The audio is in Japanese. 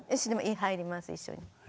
入ります一緒に。